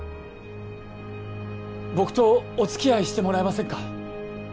僕とおつきあいしてもらえませんか？